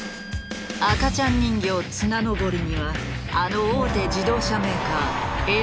赤ちゃん人形綱登りにはあの大手自動車メーカーＮ産も参戦。